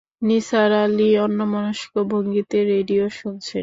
নিসার আলি অন্যমনস্ক ভঙ্গিতে রেডিও শুনছেন।